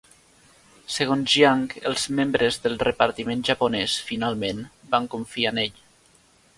Segons Jiang, els membres del repartiment japonès, finalment, van confiar en ell.